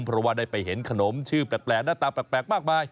เพราะว่าได้ไปเห็นขนมชื่อแปลกหน้าตาแปลกมากมาย